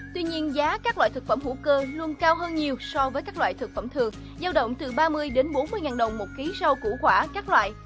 tuy nhiên giá các loại thực phẩm hữu cơ luôn cao hơn nhiều so với các loại thực phẩm thừa giao động từ ba mươi đến bốn mươi ngàn đồng một ký rau củ quả các loại